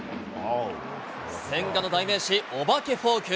千賀の代名詞、お化けフォーク。